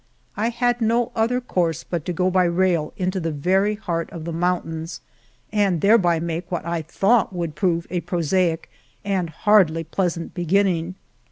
I had no other course but to go by rail into the very heart of the mountains, and 177 The Morena thereby make what I thought would prove a prosaic and hardly pleasant beginning.